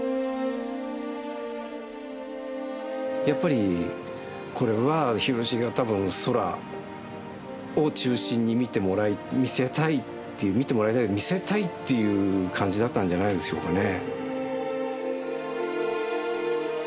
やっぱりこれは広重は多分空を中心に見てもらい見せたいっていう見てもらいたいより見せたいっていう感じだったんじゃないでしょうかね。